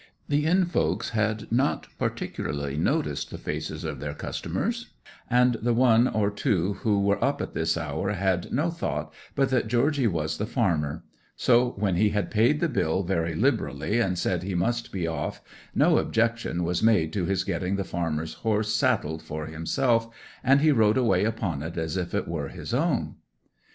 The inn folks had not particularly noticed the faces of their customers, and the one or two who were up at this hour had no thought but that Georgy was the farmer; so when he had paid the bill very liberally, and said he must be off, no objection was made to his getting the farmer's horse saddled for himself; and he rode away upon it as if it were his own.